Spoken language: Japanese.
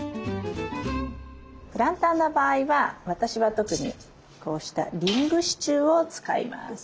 プランターの場合は私は特にこうしたリング支柱を使います。